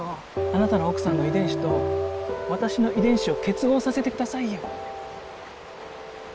あなたの奥さんの遺伝子と私の遺伝子を結合させてくださいよ。